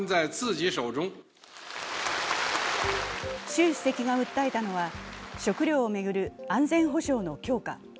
習主席が訴えたのは食料を巡る安全保障の強化。